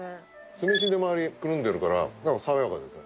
酢飯で周りくるんでるから爽やかですよ